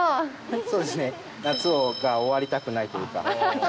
そうですね、夏を終わりたくないというか。